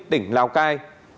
tỉnh lào cai